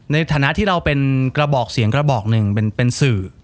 ในฐานะที่เราเป็นกระบอกเสียงกระบอกหนึ่งเป็นสื่อ